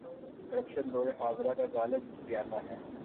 Corruption دور حاضر کا غالب بیانیہ ہے۔